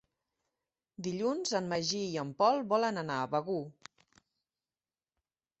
Dilluns en Magí i en Pol volen anar a Begur.